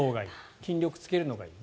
筋力つけるのがいいと。